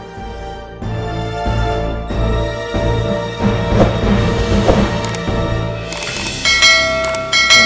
ya makan abi